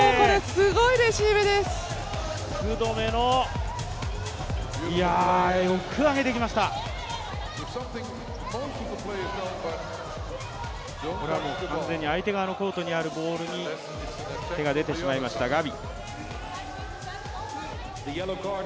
これは完全に相手側のコートにあるボールに手が出てしまいましたガビ。